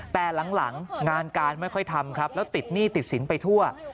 แต่หลังงานการไม่ค่อยทำครับแล้วติดหนี้ติดสินไปทั่ว